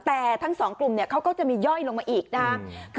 แต่ทั้ง๒กลุ่มเนี่ยเขาก็จะมีย่อยลงมาอีกนะคะ